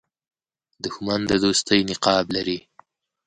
دښمن د دوستۍ نقاب لري